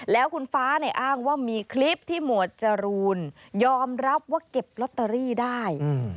แล้วคุณฟ้าเนี่ยอ้างว่ามีคลิปที่หมวดจรูนยอมรับว่าเก็บลอตเตอรี่ได้